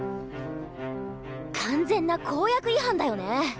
完全な公約違反だよねえ。